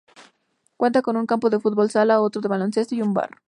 Cuenta con un campo de fútbol sala, otro de baloncesto y un bar.